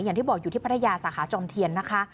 อย่างที่บอกอยู่ที่พัทยาสาขาจอมเทียนนะคะ